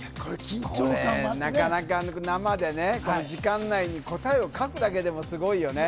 なかなか生で、時間内に答えを書くだけでもすごいよね。